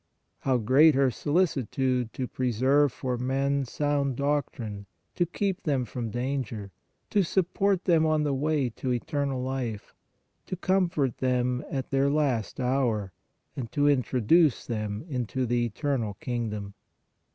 How great her solicitude to preserve for men sound doctrine, to keep them from danger, to support them on the way to eternal life, to comfort them at their last hour and to introduce them into the eternal Kingdom!